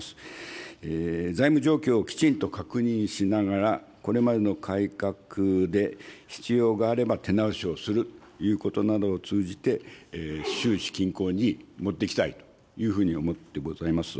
財務状況をきちんと確認しながら、これまでの改革で必要があれば手直しをするということなどを通じて、収支均衡に持っていきたいというふうに思ってございます。